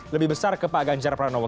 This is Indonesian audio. lebih besar ke pak ganjar pranowo